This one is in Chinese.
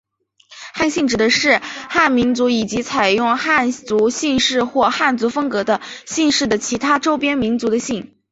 汉姓指的是汉民族以及采用汉族姓氏或汉族风格的姓氏的其他周边民族的姓。